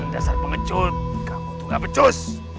dasar pengecut kamu tuh gak pecus